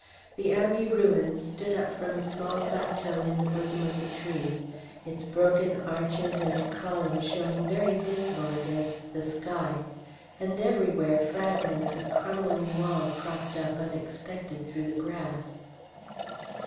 The Abbey ruins stood up from a small plateau in the bosom of the trees, its broken arches and columns showing very dismal against the sky, and everywhere fragments of crumbling wall cropped up unexpected through the grass.